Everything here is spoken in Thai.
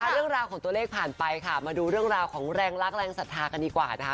เรื่องราวของตัวเลขผ่านไปค่ะมาดูเรื่องราวของแรงรักแรงศรัทธากันดีกว่านะคะ